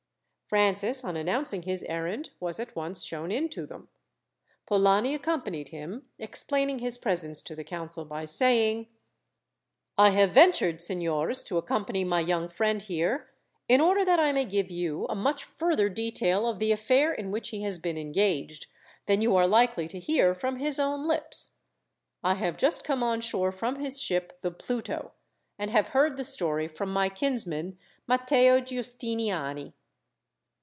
Francis, on announcing his errand, was at once shown in to them. Polani accompanied him, explaining his presence to the council by saying: "I have ventured, signors, to accompany my young friend here, in order that I may give you a much further detail of the affair in which he has been engaged, than you are likely to hear from his own lips. I have just come on shore from his ship, the Pluto, and have heard the story from my kinsman, Matteo Giustiniani."